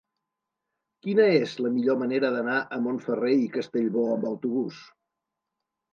Quina és la millor manera d'anar a Montferrer i Castellbò amb autobús?